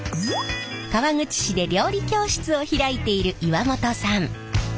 川口市で料理教室を開いている岩本さん。